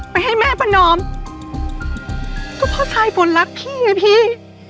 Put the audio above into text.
ให้แม่ประนอมก็เพราะสายฝนรักพี่ไงพี่